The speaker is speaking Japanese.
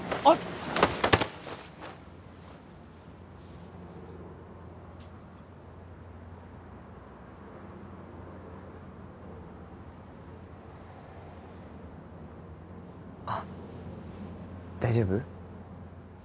あっ大丈夫？